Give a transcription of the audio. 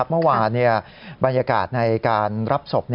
เมื่อวานบรรยากาศในการรับศพ